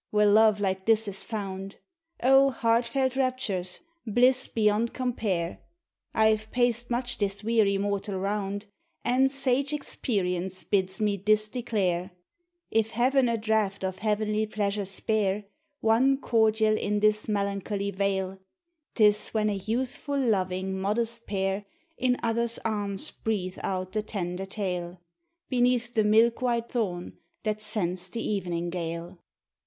where love like this is found! 0 heartfelt raptures! bliss beyond compare! I ' ve paced much this weary mortal round, And sage experience bids me this declare :— If Heaven a draught of heavenly pleasure spare, One cordial in this melancholy vale, 'T is when a youthful, loving, modest pair In other's arms breathe out the tender tale, Beneath the milk white thorn that scents the even ing gale.